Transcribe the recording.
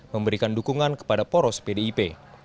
memberikan dukungan kepada poros pdip